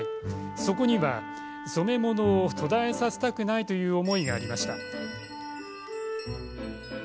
そこには染め物を途絶えさせたくないという思いがありました。